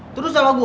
itu tuh salah gue